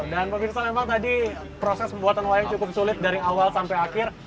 dan pak biksa memang tadi proses pembuatan wayang cukup sulit dari awal sampai akhir